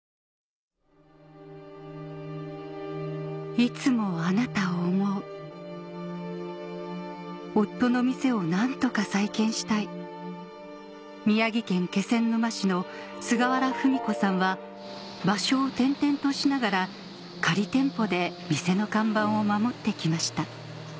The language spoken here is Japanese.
いつもあなたを思う夫の店を何とか再建したい宮城県気仙沼市の菅原文子さんは場所を転々としながら仮店舗で店の看板を守ってきました